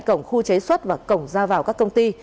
cái cổng khu chế suất và cổng ra vào các công ty